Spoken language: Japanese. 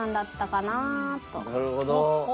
なるほど。